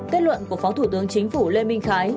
kết luận của phó thủ tướng chính phủ lê minh khái